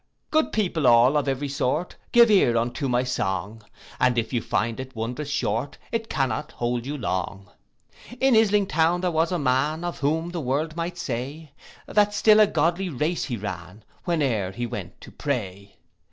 Good people all, of every sort, Give ear unto my song; And if you find it wond'rous short, It cannot hold you long. In Isling town there was a man, Of whom the world might say, That still a godly race he ran, Whene'er he went to pray.